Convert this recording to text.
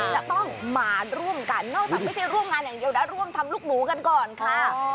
จะต้องมาร่วมกันนอกจากไม่ใช่ร่วมงานอย่างเดียวนะร่วมทำลูกหมูกันก่อนค่ะ